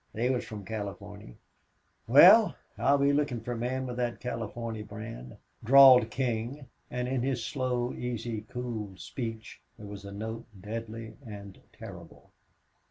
They was from Californy." "Wal, I'll be lookin' fer men with thet Californy brand," drawled King, and in his slow, easy, cool speech there was a note deadly and terrible.